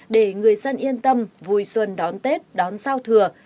để người dân yên tâm vui xuân đón tết đón giao thừa